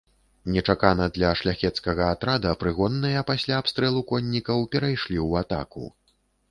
Нечакана для шляхецкага атрада прыгонныя пасля абстрэлу коннікаў перайшлі ў атаку.